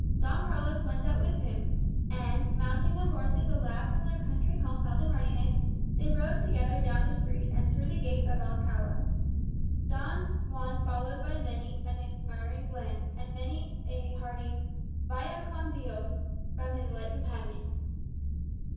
Don Carlos went out with him, and mounting the horses a lad from their country home held in readiness, they rode together down the street and through the gate of Alcala Don Juan followed by many an admiring gaze, and many a hearty "Vaya con Dios,"[#] from his late companions.